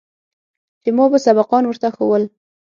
چې ما به سبقان ورته ښوول.